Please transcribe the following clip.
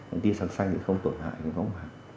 ánh sáng xanh thì không tổn hại cái võng mạc